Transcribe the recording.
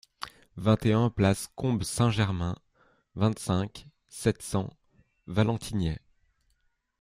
vingt et un place Combes Saint-Germain, vingt-cinq, sept cents, Valentigney